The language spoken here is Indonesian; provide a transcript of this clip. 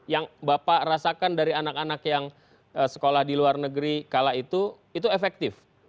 yang bapak rasakan dari anak anak yang sekolah di luar negeri kala itu itu efektif